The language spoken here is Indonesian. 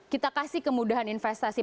kita kasih kemudahan investasi